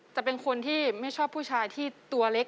เป็นคนที่ไม่ชอบผู้ชายที่ตัวเล็ก